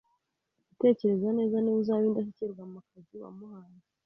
utekereza neza niwe uzaba indashyikirwa mu kazi wamuhaye